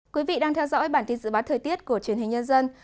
quý vị đang theo dõi bản tin dự báo thời tiết của truyền hình nhân dân